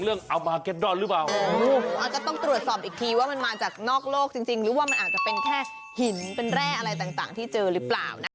หรือว่ามันอาจจะแค่หินเป็นแร่อะไรแบบนั้น